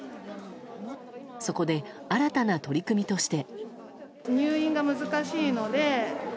そこで、新たな取り組みとして。